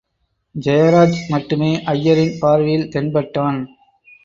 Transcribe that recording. ஜெயராஜ் மட்டுமே ஐயரின் பார்வையில் தென்பட்டான்.